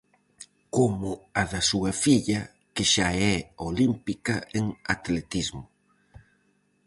Como a da súa filla, que xa é olímpica en atletismo.